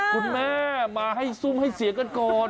คุณแม่มาสู้งให้เสียกันก่อน